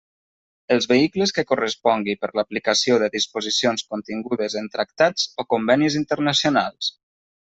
Els vehicles que correspongui per l'aplicació de disposicions contingudes en tractats o convenis internacionals.